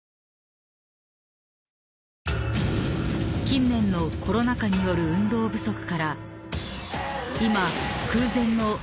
［近年のコロナ禍による運動不足から今］